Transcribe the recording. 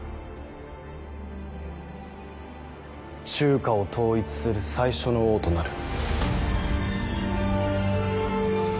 中華を統一する最初の王となる。